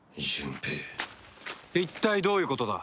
一体どういうことだ？